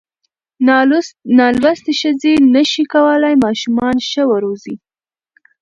نالوستې ښځې نشي کولای ماشومان ښه وروزي.